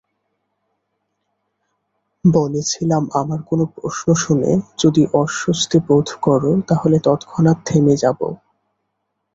বলেছিলাম আমার কোনো প্রশ্ন শুনে যদি অস্বস্তি বোধ করো তাহলে তৎক্ষনাৎ থেমে যাবো।